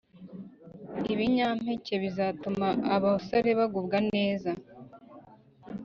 Ibinyampeke bizatuma abasore bagubwa neza